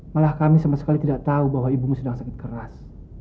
malah kami sama sekali tidak tahu bahwa ibumu sedang sakit keras